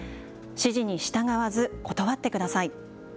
指示に従わず、断ってください。